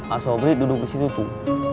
aswabri duduk disitu tuh